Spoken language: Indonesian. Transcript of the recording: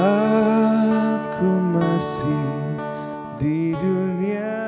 aku masih di dunia